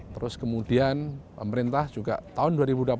terus kemudian pemerintah juga tahun dua ribu dua puluh